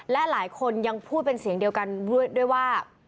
และหลายคนยังพูดเป็นเสียงเดียวกันด้วยว่า